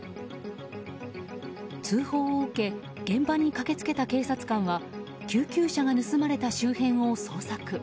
通報を受け現場に駆け付けた警察官は救急車が盗まれた周辺を捜索。